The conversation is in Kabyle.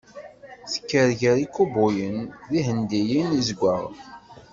Tekker gar ikubuyen d Yihendiyen Izeggaɣen.